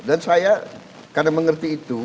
dan saya karena mengerti itu